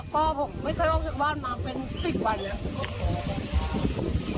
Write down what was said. ก็ไม่เคยรอชุดบ้านมาเป็นสิบวันเลย